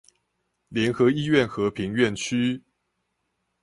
聯合醫院和平院區